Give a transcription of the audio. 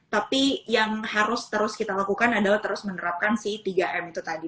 tapi yang harus terus kita lakukan adalah terus menerapkan si tiga m itu tadi